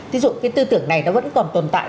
thí dụ cái tư tưởng này nó vẫn còn tồn tại